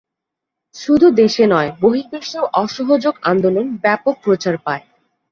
শুধু দেশে নয় বহির্বিশ্বেও অসহযোগ আন্দোলন ব্যাপক প্রচার পায়।